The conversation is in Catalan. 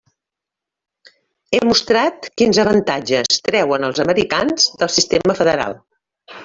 He mostrat quins avantatges treuen els americans del sistema federal.